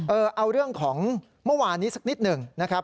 เอาเรื่องของเมื่อวานนี้สักนิดหนึ่งนะครับ